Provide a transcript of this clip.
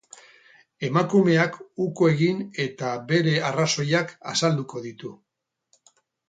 Emakumeak uko egin eta bere arrazoiak azalduko ditu.